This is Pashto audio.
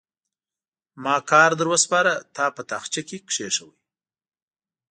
ما کار در وسپاره؛ تا په تاخچه کې کېښود.